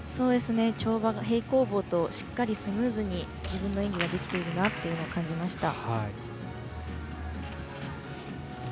跳馬、平行棒としっかりスムーズに自分の演技ができているなっていうのを感じました。